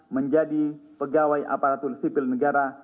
menjadi pegawai aparatur sipil negara